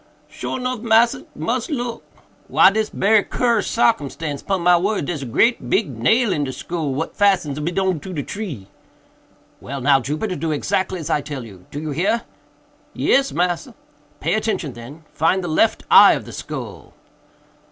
"Sure nuff, massa; mus look. Why dis berry curous sarcumstance, pon my word—dare's a great big nail in de skull, what fastens ob it on to de tree." "Well now, Jupiter, do exactly as I tell you—do you hear?" "Yes, massa." "Pay attention, then—find the left eye of the skull."